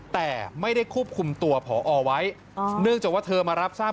แต่ไม่ได้ควบคุมตัวพอไว้เนื่องจากว่าเธอมารับทราบ